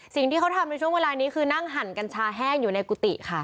สิ่งที่เขาทำในช่วงเวลานี้คือนั่งหั่นกัญชาแห้งอยู่ในกุฏิค่ะ